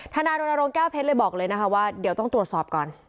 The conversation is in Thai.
นายรณรงค์แก้วเพชรเลยบอกเลยนะคะว่าเดี๋ยวต้องตรวจสอบก่อน